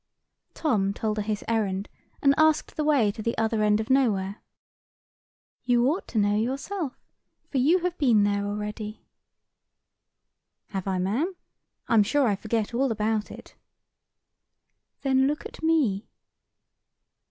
Tom told her his errand, and asked the way to the Other end of Nowhere. "You ought to know yourself, for you have been there already." "Have I, ma'am? I'm sure I forget all about it." "Then look at me."